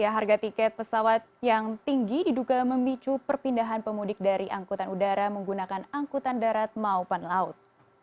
harga tiket pesawat yang tinggi diduga memicu perpindahan pemudik dari angkutan udara menggunakan angkutan darat maupun laut